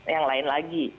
yang lain lagi